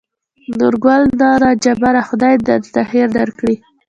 نورګل: نه نه جباره خداى د درته خېر درکړي.